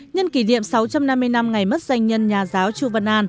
nhân kỷ niệm sáu trăm năm mươi năm ngày mất danh nhân nhà giáo chu văn an